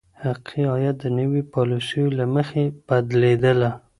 حقیقي عاید د نویو پالیسیو له مخي بدلیده.